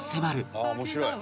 「ああ面白い」